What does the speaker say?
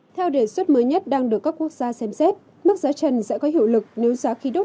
theo đề xuất mới nhất đang được các quốc gia xem xét mức giá trần sẽ có hiệu lực nếu giá khí đốt